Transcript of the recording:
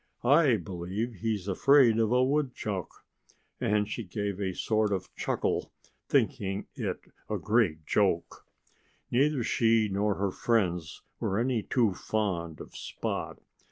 I believe he's afraid of a woodchuck." And she gave a sort of chuckle, thinking it a great joke. Neither she nor her friends were any too fond of Spot.